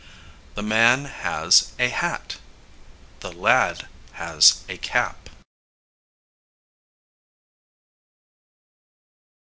The man has a hat. The lad has a cap.